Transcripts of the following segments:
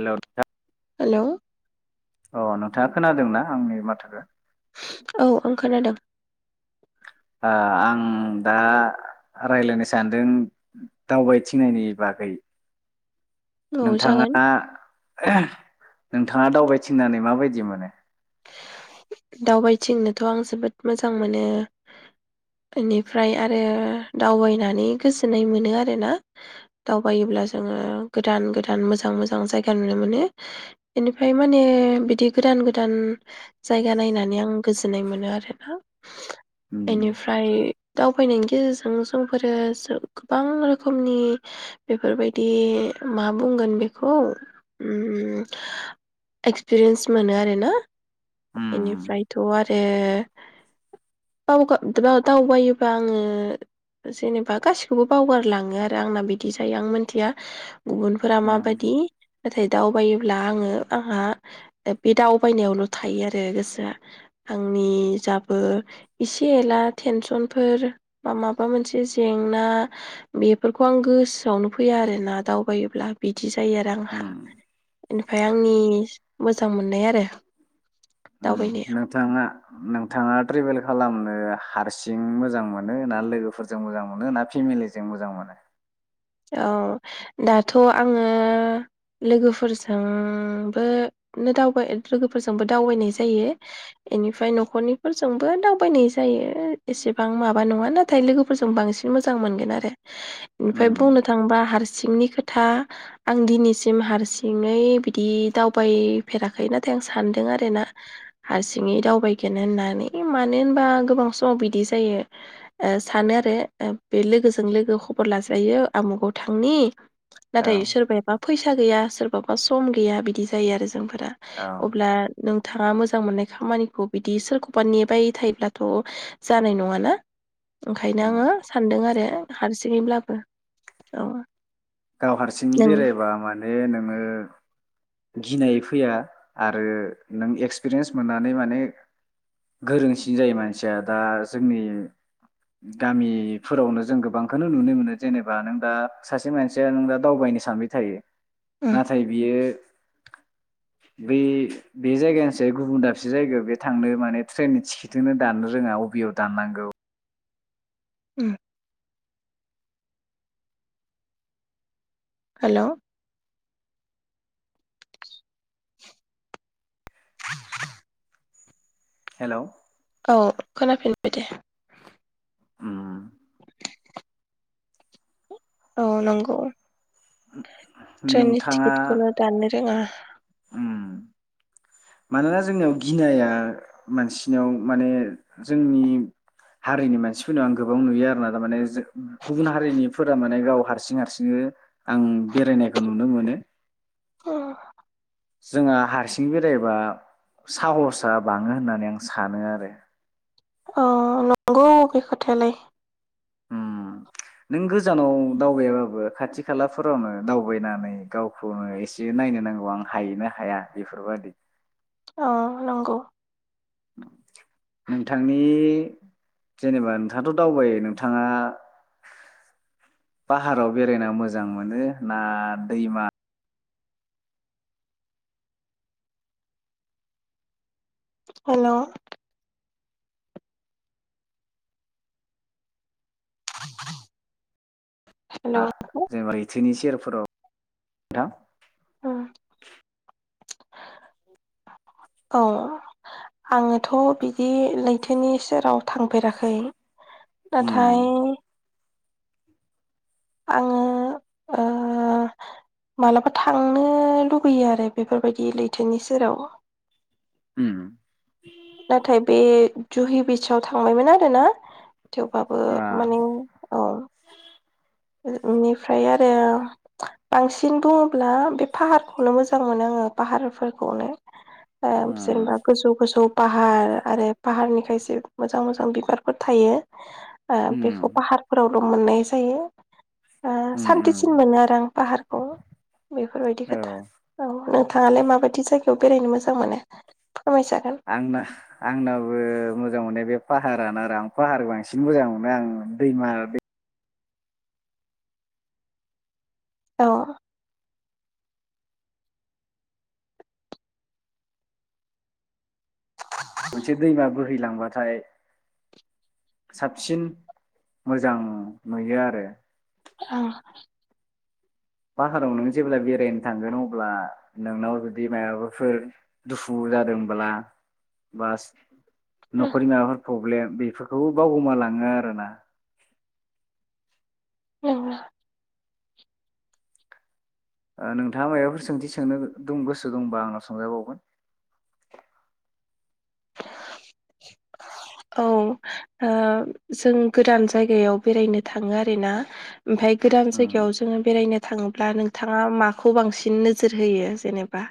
हेल' नो हेलौ औ न था खोनादों ना आंनि माथोखो औ आं खोनादों। आ आं दा रायज्लायनो सानदों दावबायथिंनायनि बागै औ जागोन नोंथाङा नोंथाङा दावबायथिननानै माबायदि मोनो। दावबायथिंनोथ' आं जोबोद मोजां मोनो ओनिफ्राय आरो दावबायनानै गोजोननाय मोनो आरोना दावबायोब्ला जोङो गोदान गोदान मोजां मोजां जायगा नुनो मोनो बेनिफ्राय माने बिदि गोदान गोदान जायगा नायनानै आं गोजोननाय मोनो आरोना उम इनिफ्राय दावबायनायनि गेजेरजों जोंफोरो जो गोबां रोखोमनि बेफोरबायदि मा बुंगोन बेखौ उम एक्सपिरियेन्स मोनो आरोना उम बेनिफ्रायथ' आरो बावगार दावबायोबा आङो जेनेबा गासिखौबो बावगारलाङो आरो आंना बिदि जायो आं मिथिया गुबुनफोरा उम माबायदि नाथाय दावबायोब्ला आङो आंहा बे दावबायनायावल' थायो आ रो गोसोआ आंनि जाबो एसे एला टेनसनफोर माबा मोनसे जेंना बेफोरखौ आं गोसोआवनो फैया आरोना दावबायोब्ला बिदि जायो आरो आंहा उम इनिफाय आंनि मोजां मो मोननाय आरो उम दावबायनाया नोंथाङा नोंथाङा ट्रेभेल खालामनो ओ हारसिं मोजां मोनो ना लोगोफोरजों मोजां मोनो ना फेमिलिजों मोजां मोनो। औ दाथ' आङो लोगोफोरजोंबो दावबाय लोगोफोरजोंबो दावबायनाय जायो इनिफ्राय न'खरनिफोरजोंबो दावबायनाय जायो एसेबां माबा नङा नाथाय लोगोफोरजों बांसिन मोजां मोनगोन आरो इनिफ्राय उम बुंनो थाङोबा हारसिंनि खोथा आं दिनैसिम हारसिङै बिदि दावबायफेराखै नाथाय आं सानदों आरोना हारसिङै दावबायगोनो होननानै मानो होनबा गोबां समाव बिदि जायो ओ सानो आरो बे लोगोजों लोगो खबर लाजायो आमुगाव थांनि औ नाथाय सोरबायााबा फैसा गैया सोरबाबा सम गैया बिदि जायो आरो जों फोरा औ अब्ला नों थाङा मोजां मोननाय खामानिखौ बिदि सोरखौबा नेबाय थायोब्लाथ' जानाय नङाना। ओंखायनो आङो उम सान्दों आरो हारसिं जैब्लाबो औ गाव हारसिं नों बेरायबा माने बे नोङो गिनाय फैया आरो नों एक्सपिरियेन्स मोननानै माने गोरोंसिन जायो मानसिया दा जोंनि गामिफोरावनो जों गोबांखौनो नुनो मोनो जेनेबा नों दा सासे मान से नों दा दावबायनो सानबाय थायो। उम नाथाय बियो बे बे जायगायानोसै गुबुन दाबसे जायगायाव बे थांनो माने ट्रेननि टिकेटखौो दाननो रोङा अबेयाव दाननांगौ। उम हेलौ, [inaudible] हेलौ। औ खोनाफिनबाय दे। उम। औ नंगौ। [unintelligible] ट्रेननि नोंथाङा टिकेटखौनो दाननो रोङा। उम मानोना जोंनियाव गिनाया मानसिनाव माने जोंनि हारिनि मानसिफोरनाव आं गोबां नुयो आरोना थारमाने। गुबुन हारिनिफोरा माने गाव हारसिं हारसिङै। आं बेरायनायखौ नुनो मोनो। [unintelligible] जोंहा हारसिं बेरायबा साहस आ बाङो होननानै आं सानो आरो। अ नंगौ बे खोथायालाय। होम नों गोजानाव दावबायाबाबो खाथि खालाफोरावनो दावबायनानै गावखौनो एसे नायनो नांगौ आं हायो ना हाया इफोरबायदि। औ नंगौ। नोंथांनि जेनेबा नोंथाङाथ' दावबायो नोंथाङा पाहाराव बेरायना मोजां मोनो ना दैमा? हेलौ। [unintelligible] हेल' [unintelligible] जोंनि सेहेरफोराव [unintelligible] [unintelligible] औ आङोथ' बिदि लैथोनि सेराव थांफेराखै। उम नाथाय। आङो ओ मालाबा थांनो लुगैयो आरो बेफोरबायदि लैथोनि सेराव। होम। नाथाय बे जुहि बिच आव थांबायमोन आरो ना। थेवबाबो आ माने औ। [unintelligible] आरो बांसिन बुङोब्ला बे फाहारखौनो मोजां मोनो आङो फाहारफोरखौनो। [unintelligible] उम जेनेबा गोजौ गोजौ। पाहार आरो पाहारनि खायसे मोजां मोजां बिबारफोर थायो। ओ उम बेखौ पाहारफोराव। मोननाय जायो। ओ उम उम सान्थिसिन मोनो आरो आं पाहारखौ बेफोरबायदि औ खोथा औ। थाङालाय माबायदि जायगायाव बेरायनो मोजां मोनो? फोरमायजागोन आंना आंनाबो मोजां मोननाय बे फाहारानो आरो आं फाहार बांसिन मोजां मोनो आं दैमा दै अ मोनसे दैमा बोहैलांबाथाय साबसिन मोजां नुयो आरो। अ। पाहाराव नों जेब्ला बेरायनो थांगोन अब्ला नोंनाव जुदि मायाफोर दुखु जादोंब्ला बास औ नखरनि माबाफोर प्रब्लेम। बेफोरखौबो बावगोमा लाङो आरोना। औ। ओ नोंथाङा माबाफोर सोंथि सोंनो दं गोसो दंबा आंनाव सोंजाबावगोन। औ ओ जों गोदान जायगायाव बेरायनो थाङो आरोना ओमफ्राय गोदान उम जायगायाव जोङो बेरायनो थाङोब्ला नोंथाङा माखौ बांसिन नोजोर होयो जेनेबा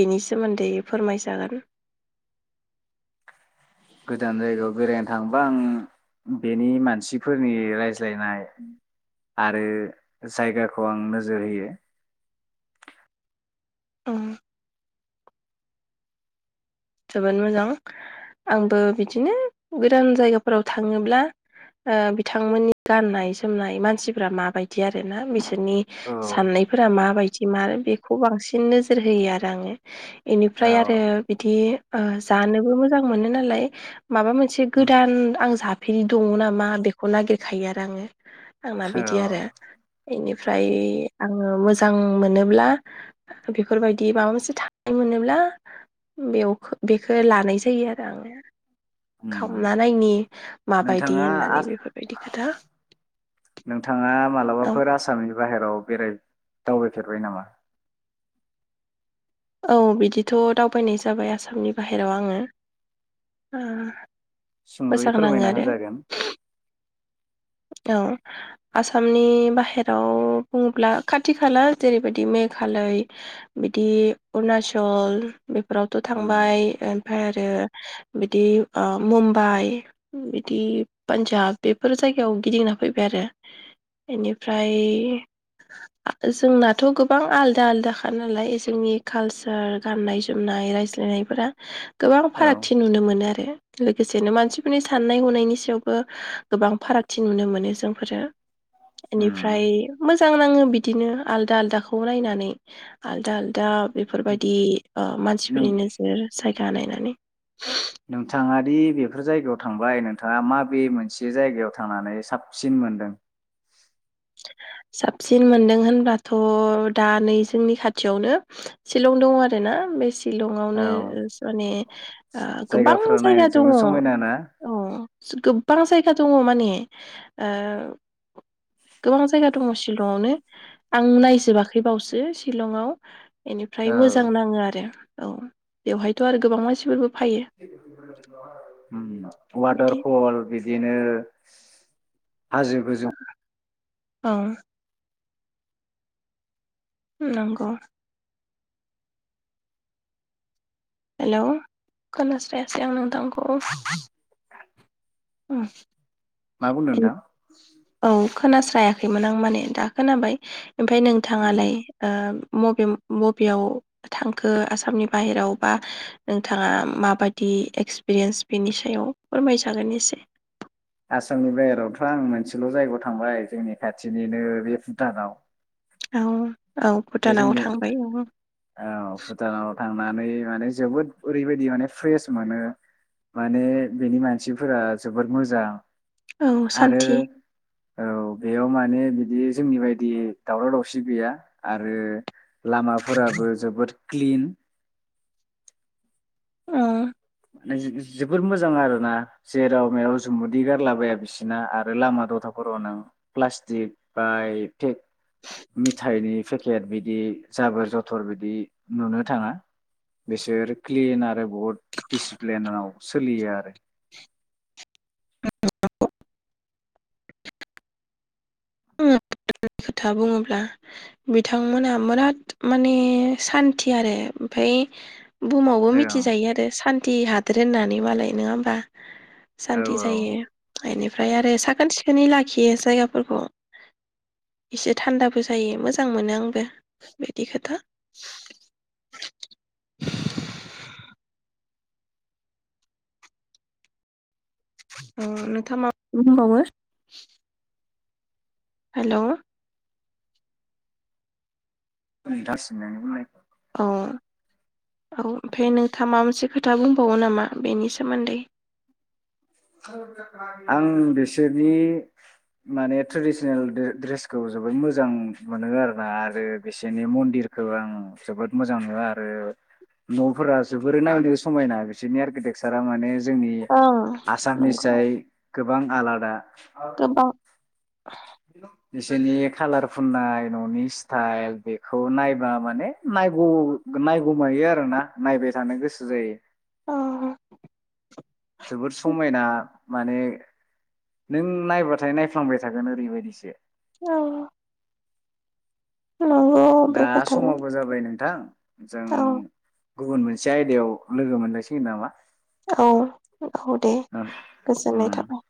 बेनि सोमोन्दै फोरमायजागोन। गोदान जायगायाव बेरायनो थाङोबा आं बेनि मानसिफोरनि रायज्लायनाय आरो जायगाखौ आं नोजोर होयो। औ। जोबोद मोजां आंबो बिदिनो गोदान जायगाफोराव थाङोब्ला ओ बिथांमोननि गाननाय जोमनाय मानसिफ्रा माबायदि आरोना बिसोरनि औ साननायफोरा माबायदि मार बेखौ बांसिन नोजोर होयो आरो आङो। औ एनिफ्राय आरो बिदि ओ जानोबो मोजां मोनो नालाय माबा मोनसे उम गोदान आं जाफेरि दङ नामा बेखौ नागिरखायो आरो आङो। आंना औ बिदि आरो बेनि ओमफ्राय आङो मोजां मोनोब्ला बेफोरबायदि माबा मोनसे थानाय मोनोब्ला बेयाव बेखौ लानाय जायो आरो आङो। उम खावना नायनि माबायदि नोंथाङा आ होननानै बेफोरबायदि खोथा। नोंथाङा औ मालाबाफोर आसाम बाहेराव बेराय दावबायफेरबाय नामा? औ बिदिथ‌' दावबायनाय जाबाय आसामनि बाहेरायाव आङो ओ सुंद'यै मोजां नाङो फोरमायना आरो होजागोन। औ आसामनि बाहेराव बुङोब्ला खाथि खाला जेरैबायदि मेघालय बिदि अरुनाचल बेफोरावथ' उम थांबाय ओमफ्राय आरो बिदि ओ मुम्बाइ बिदि पान्जाब बेफोर जायगा याव गिदिंना फैबाय आरो बेनिफ्राय जोंनाथ' गोबां आलदा आलदाखा नालाय जोंनि कालसार गाननाय जोमनाय रायज्लायनायफोरा। गोबां औ फारागथि नुनो मोनो आरो। लोगोसेनो मानसिफोरनि साननाय हनायनि सायावबो गोबां फाराग। थि नुनो मोनो जोंफोरो। एनिफ्राय उम मोजां मोजां नाङो बिदिनो आलदा आलदाखौ नायनानै आलदा आलदा बेफोरबायदि ओ नों मानसिफोरनि नोजोर सायख जानायनानै नोंथाङा दि बेफोर जायगायाव थांबाय नोंथाङा माबे मोनसे जायगायाव थांनानै साबसिन मोनदों? साबसिन मोनदों होनब्लाथ' दा नै जोंनि खाथियावनो सिलं दङ आरोना बे सि औ शिलंआवनो माने ओ गोबां जायगाफोरा नायनो जायगा दङ जोबोद समायना ना औ। बारा जायगा दङ माने ओ गोबां जायगा दङ शिलंआवनो आं नायजोबाखै बावसो शिलंआव। बेनिफ्राय औ मोजां नाङो आरो। औ बेवहायथ' आरो गोबां मानसिफोरबो फायो उम वाटार बिदि फल बिदिनो हाजो गोजौ ओ। नोंग हेल' खोनास्रायासै आं नोंथांखौ? आ मा बुंदों नोंथां? औ खोनास्रायाखैमोन आं माने दा खोनाबाय। ओमफ्राय उम नोंथाङालाय ओ मबे मबेयाव थांखो आसामनि बाहेराव बा नोंथाङा माबायदि एक्सपिरियेन्स बेनि सायाव फोरमायजागोन एसे आसामनि बाहेरायावथ' आं मोनसेल' जायगायाव थांबाय जोंनि खाथिनिनो बे भुटानाव औ औ बे भुटानाव जोंनि थांबाय औ औ भुटानाव थांनानै माने जोबोद ओरैबायदि माने फ्रेस मोनो माने बेनि मानसिफोरा जोबोद मोजां। औ सान्थि। आरो औ बेयाव माने बिदि जोंनि बायदि दावराव दावसि गैया। आरो लामाफोराबो जोबोद क्लिन ओ नो [unintelligible] जोबोर मोजां आरो ना। जेराव मेराव जुमुदै गारलाबाया बिसिना आरो लामा दथाफोराव ना प्लास्टिक बायेक खेक मिथाइनि पेकेट बिदि जाबोर जथर बिदि नुनो थाङा बिसोर क्लिन आरो बहुद दिसप्लेनाव सोलियो आरो। आङो [unintelligible] खोथा बुङोब्ला बिथांमोना बोराद माने सान्थि आरो ओमफाय बुहुमावबो औ मिथिजायो आरो सान्थि हाद रोननानै मालाय नोङा होमबा? औ सान्ति औ जायो। गायनाय फ्राय आरो साखोन सिखोनै लाखियो जायगाफोरखौ। एसे थान्दाबो जायो मोजां मोनो आंबो बिदि खोथा। ओ नोंथाङा मा [unintelligible] बुंबावो? हेल' [unintelligible] अ' औ ओमफाय नोंथाङा मा मोनसे खोथ दा बुंबावो नामा बेनि सोमोन्दै? आं बिसोरनि माने ट्रेडिसनेल द्रे-ड्रेसखौ जोबोद मोजां मोनो आरोना। आरो बिसोरनि मन्दिरखौ आं जोबोद मोजां मोनो। आरो न'फोरा जोबोरै नायनो समायना बिसोरनि आर्किटेक्सारा माने जों ओं नंगौ आसामनिसाय गोबां आलादा गोबां हेलौ बिसोरनि खालार फुननाय न'नि स्टाइल बेखौ नायबा माने नायगौ नायगौमायो आरोना नायबाय थानो गोसो जायो। अ' जोबोद समायना माने नों नायबाथाय नायफ्लांबाय थागोन ओरैबायदिसो औ नंगौ बे दा समावबो खोथाया जाबाय नोंथां जों औ गुबुन मोनसे आयदायाव लोगो मोनलायसिगोन नामा औ औ दे ओं गोजोननाय ओम। थाबाय।